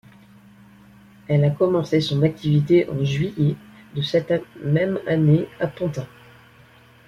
Elle a commencé son activité en juillet de cette même année à Pantin.